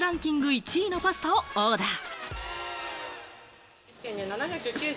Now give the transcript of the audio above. １位のパスタをオーダー。